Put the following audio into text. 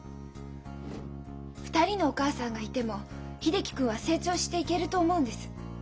２人のお母さんがいても秀樹君は成長していけると思うんです。